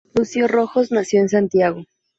Lucio Rojas nació en Santiago.